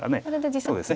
そうですね。